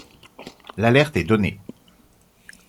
L'alerte est donnée.